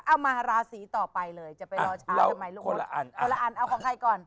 เอามาราศรีต่อไปเลยจะไปรอช้าทำไมลูกมดเอาคนละอัน